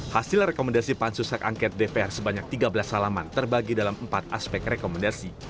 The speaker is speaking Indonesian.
hasil rekomendasi pansus hak angket dpr sebanyak tiga belas salaman terbagi dalam empat aspek rekomendasi